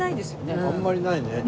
あんまりないね。